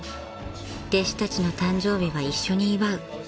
［弟子たちの誕生日は一緒に祝う］